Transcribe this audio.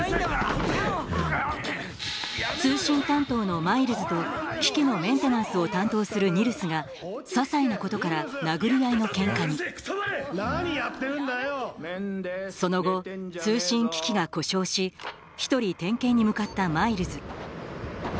通信担当のマイルズと機器のメンテナンスを担当するニルスがささいなことから殴り合いのケンカにその後通信機器が故障し１人点検に向かったマイルズ